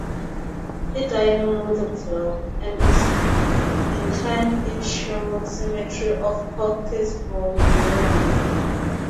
He died in Lutherville, and is interred in Sherwood Cemetery of Cockeysville, Maryland.